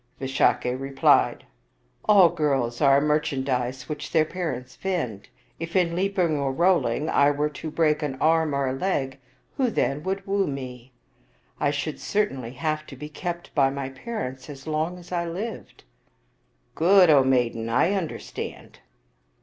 Visakha replied, All girls are a merchandise which their parents vend. If in leaping or rolling I were to break an arm or a leg, who then would woo me? I should certainly have to be kept by my parents as long as I lived." " Good, O maiden ; I understand."